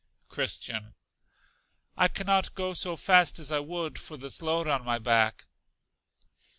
Christian. I can not go so fast as I would, for this load on my back.